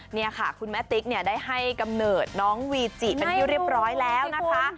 นี่ค่ะคุณแม่ติ๊กเนี่ยได้ให้กำเนิดน้องวีจิเป็นที่เรียบร้อยแล้วนะคะ